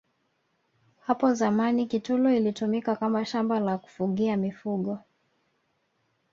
hapo zamani kitulo ilitumika Kama shamba la kufugia mifugo